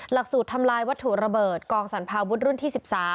หลักสูตรทำลายวัตถุระเบิดกองสรรพาวุฒิรุ่นที่๑๓